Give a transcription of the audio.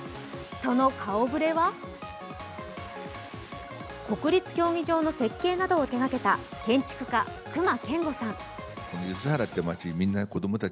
その顔ぶれは国立競技場の設計などを手がけた建築家・隈研吾さん。